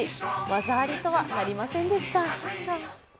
技ありとはなりませんでした。